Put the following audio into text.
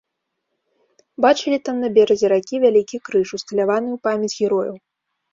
Бачылі там на беразе ракі вялікі крыж, усталяваны ў памяць герояў.